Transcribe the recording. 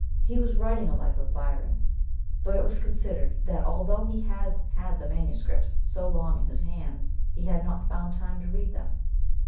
He was writing a life of Byron, but it was considered that although he had had the MSS. so long in his hands, he had not found time to read them.